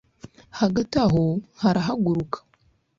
Hagati aho harahaguruka